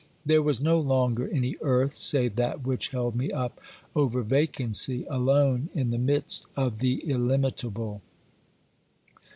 There was no longer any earth save that which held me up over vacancy, alone, in the midst of the illimitable.